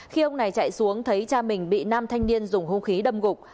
khi ông này chạy xuống thấy cha mình bị nam thanh niên dùng hung khí đâm gục